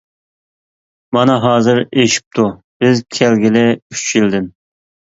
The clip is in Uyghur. مانا ھازىر ئېشىپتۇ، بىز كەلگىلى ئۈچ يىلدىن.